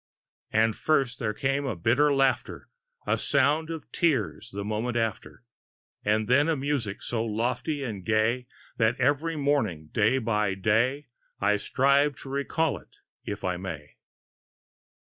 And first there came a bitter laughter; A sound of tears the moment after; And then a music so lofty and gay, That every morning, day by day, I strive to recall it if I may.